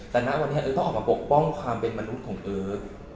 แต่ณวันนี้เอิ๊กต้องออกมาปกป้องความเป็นมนุษย์ของเอิร์ท